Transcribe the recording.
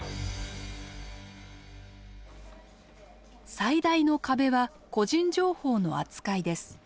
最大の壁は個人情報の扱いです。